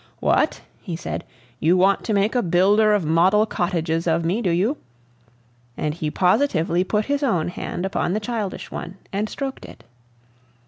"What!" he said; "you want to make a builder of model cottages of me, do you?" And he positively put his own hand upon the childish one and stroked it.